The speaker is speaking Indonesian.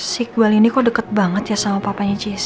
si gwalini kok deket banget ya sama papanya jesse